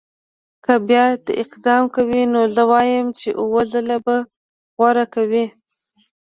که بیا دا اقدام کوي نو زه وایم چې اووه ځله به غور کوي.